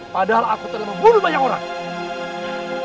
padahal aku telah membunuh banyak orang